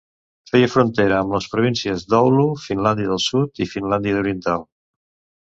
Feia frontera amb les províncies d'Oulu, Finlàndia del Sud i Finlàndia Oriental.